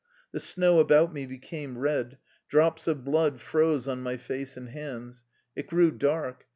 The snow about me became red. Drops of blood froze on my face and hands. It grew dark.